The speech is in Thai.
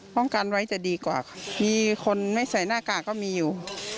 ป้องกันไว้จะดีกว่าค่ะมีคนไม่ใส่หน้ากากก็มีอยู่